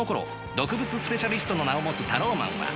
毒物スペシャリストの名を持つタローマンは。